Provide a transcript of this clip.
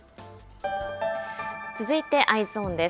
続いてＥｙｅｓｏｎです。